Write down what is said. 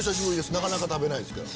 なかなか食べないですから。